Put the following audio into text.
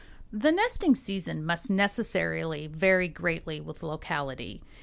The nesting season must necessarily vary greatly with locality.